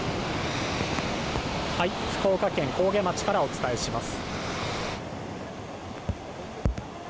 はい、福岡県からお伝えします。